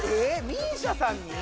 ＭＩＳＩＡさんに！？